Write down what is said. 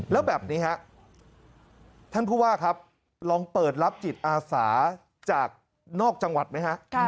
แล้วแบบนี้ฮะท่านผู้ว่าครับลองเปิดรับจิตอาสาจากนอกจังหวัดไหมฮะ